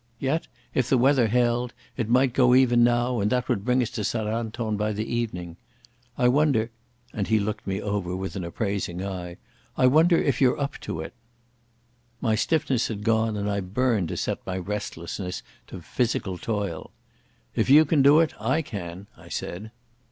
Yet, if the weather held, it might go even now, and that would bring us to St Anton by the evening. I wonder"—and he looked me over with an appraising eye—"I wonder if you're up to it." My stiffness had gone and I burned to set my restlessness to physical toil. "If you can do it, I can," I said.